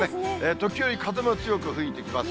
時折、風も強く吹いてきます。